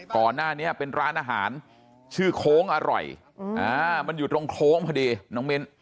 ก่อนหน้านี้เป็นร้านอาหารชื่อโค้งอร่อยมันอยู่ตรงโค้งพอดีน้องมิ้น